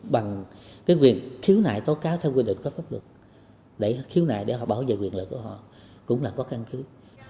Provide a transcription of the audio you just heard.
bằng quyền khiếu nại tố cáo theo quy định pháp luật khiếu nại để họ bảo vệ quyền lợi của họ cũng là có căn cứ